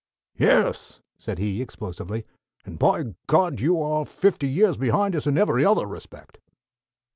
"Yes," said he explosively, "_and, by God! you are fifty years behind us in every other respect!